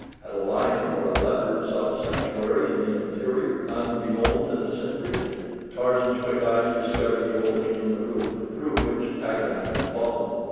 Had a lion or a leopard sought sanctuary in the interior, unbeknown to the sentries? Tarzan's quick eyes discovered the opening in the roof, through which Taglat had fallen.